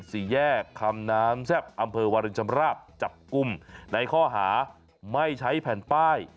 สี่แยกคำน้ำแซ่บอำเภอวารินชำราบจับกลุ่มในข้อหาไม่ใช้แผ่นป้าย